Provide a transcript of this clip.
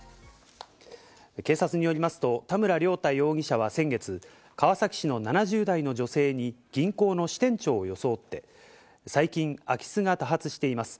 警察によりますと田村亮太容疑者は先月、川崎市の７０代の女性に銀行の支店長を装って、最近空き巣が多発しています。